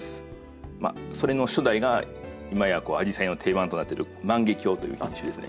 それの初代が今やアジサイの定番となってる「万華鏡」という品種ですね。